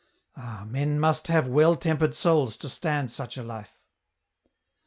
Ah ! men must have well tempered souls to stand such a life."